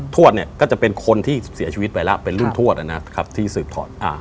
ทวดก็จะเป็นคนที่เสียชีวิตไปแล้วเป็นรื่นทวดที่สืบถอด